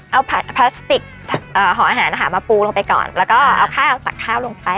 เอาพลาสติกหาอาหารมาปูลงไปก่อนแล้วก็ตังค่าวลงไป